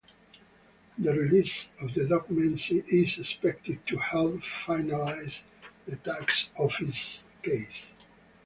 The release of the documents is expected to help finalize the Tax Office's case.